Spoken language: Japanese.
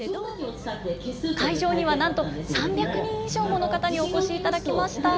会場にはなんと３００人以上もの方にお越しいただきました。